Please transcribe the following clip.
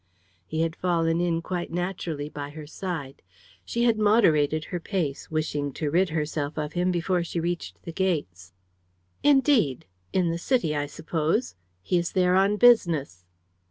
He had fallen in quite naturally by her side. She had moderated her pace, wishing to rid herself of him before she reached the gates. "Indeed! In the City, I suppose? He is there on business."